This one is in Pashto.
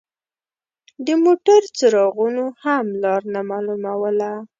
د موټر څراغونو هم لار نه مالوموله.